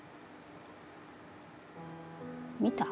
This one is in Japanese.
見た？